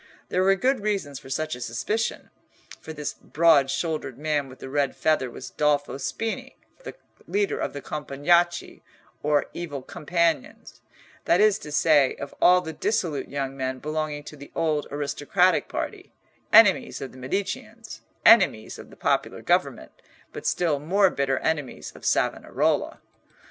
There were good reasons for such a suspicion; for this broad shouldered man with the red feather was Dolfo Spini, leader of the Compagnacci, or Evil Companions—that is to say, of all the dissolute young men belonging to the old aristocratic party, enemies of the Mediceans, enemies of the popular government, but still more bitter enemies of Savonarola.